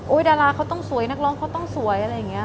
ดาราเขาต้องสวยนักร้องเขาต้องสวยอะไรอย่างนี้